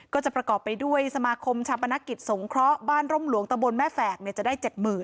ก็จะประกอบไปด้วยสมาคมชาปนกิจสงเคราะห์บ้านร่มหลวงตะบนแม่แฝกจะได้๗๐๐